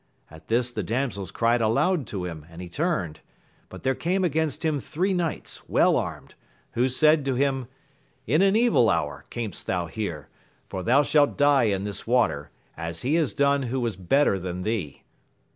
At this the damsels cried aloud to him, and he turned ; but there came against him three knights, well armed, who said to him. In an evil hour camest thou here, for thou shalt die in this water, as he has done who was better than thee.